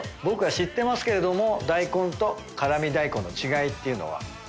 僕は知ってますけれども大根と辛味大根の違いっていうのは。